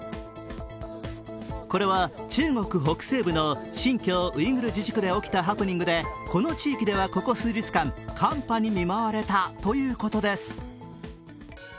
これは中国北西部の新疆ウイグル自治区で起きたハプニングで、この地域ではここ数日間寒波に見舞われたということです。